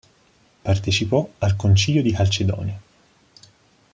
Partecipò al Concilio di Calcedonia.